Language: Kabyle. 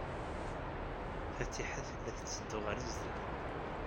Fatiḥa tella tetteddu ɣer sdat.